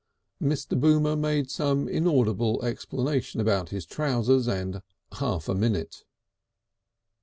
Mr. Boomer made some inaudible explanation about his trousers and half a minute.